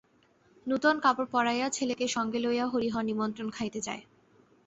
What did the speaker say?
নূতন কাপড় পরাইয়া ছেলেকে সঙ্গে লইয়া হরিহর নিমন্ত্রণ খাইতে যায়।